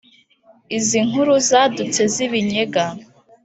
Izi nkuru zadutse zibinnyega